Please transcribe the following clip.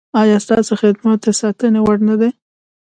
ایا ستاسو خدمت د ستاینې وړ نه دی؟